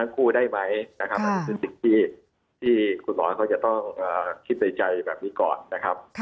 คุณหมอเขาจะต้องคิดในใจแบบนี้ก่อนนะครับ